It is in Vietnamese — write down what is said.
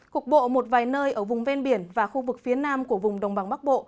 cục bộ một vài nơi ở vùng ven biển và khu vực phía nam của vùng đồng bằng bắc bộ